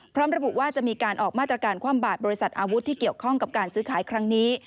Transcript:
พร้อมระบุว่าจะมีการออกมาตรการความบาดบริษัทอาวุธที่เกี่ยวข้องกับการซื้อขายครั้งนี้